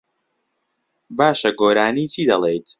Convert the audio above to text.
باشە، گۆرانیی چی دەڵێیت؟